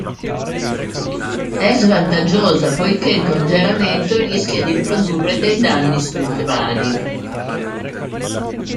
È svantaggiosa poiché il congelamento rischia di produrre dei danni strutturali.